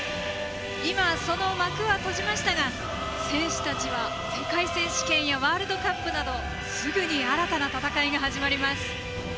今、その幕は閉じましたが選手たちは世界選手権やワールドカップなどすぐに新たな戦いが始まります。